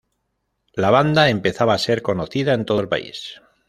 La banda empezaba a ser conocida en todo el país.